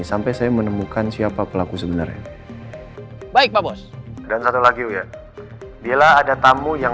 sampai saya menemukan siapa pelaku sebenarnya baik pak bos dan satu lagi ya bila ada tamu yang